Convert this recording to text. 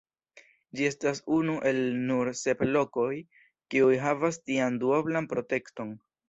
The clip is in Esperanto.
Ĝi estas unu el nur sep lokoj, kiuj havas tian duoblan protekton.